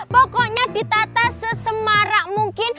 pokoknya ditata sesemara mungkin